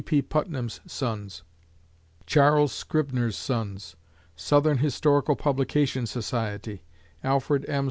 P. Putnam's Sons; Charles Scribner's Sons; Southern Historical Publication Society; Alfred M.